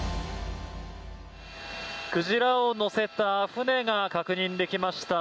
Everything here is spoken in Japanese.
鯨を載せた船が確認できました。